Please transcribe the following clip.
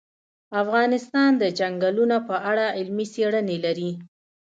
افغانستان د چنګلونه په اړه علمي څېړنې لري.